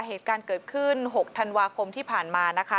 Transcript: เหตุการณ์เกิดขึ้น๖ธันวาคมที่ผ่านมานะคะ